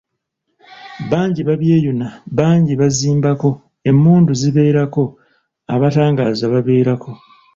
"Bangi babweyuna , bangi bazimbako, emmundu zibeerako, abatangaaza babeerako."